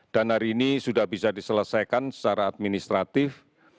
dan hari ini sudah bisa diselesaikan secara administratif